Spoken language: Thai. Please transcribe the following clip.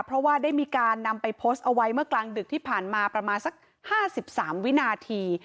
เพราะว่าได้มีการนำไปโพสต์เอาไว้เมื่อกลางดึกที่ผ่านมาประมาณสัก๕๓วินาที